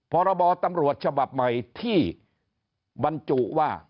พรบตำรวจฉบับใหม่ที่บรรจุว่า